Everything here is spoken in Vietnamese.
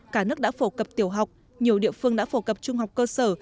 cả nước đã phổ cập tiểu học nhiều địa phương đã phổ cập trung học cơ sở